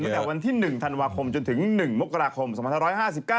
ตั้งแต่วันที่๑ธันวาคมจนถึง๑มกราคม๒๕๕๙